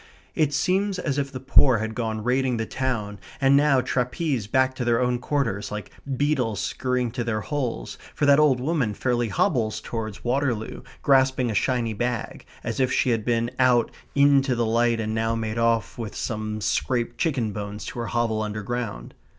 It seems as if the poor had gone raiding the town, and now trapesed back to their own quarters, like beetles scurrying to their holes, for that old woman fairly hobbles towards Waterloo, grasping a shiny bag, as if she had been out into the light and now made off with some scraped chicken bones to her hovel underground.